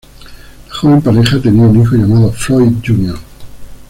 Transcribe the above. La joven pareja tenía un hijo llamado Floyd Jr.